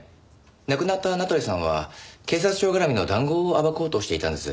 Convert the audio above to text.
亡くなった名取さんは警察庁絡みの談合を暴こうとしていたんです。